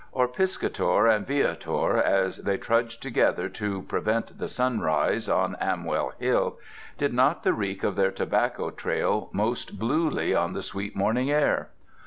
Or Piscator and Viator, as they trudged together to "prevent the sunrise" on Amwell Hill—did not the reek of their tobacco trail most bluely on the sweet morning air?